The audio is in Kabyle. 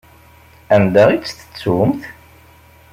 Anda i tt-tettumt?